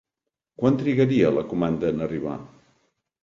Quant trigaria la comanda en arribar?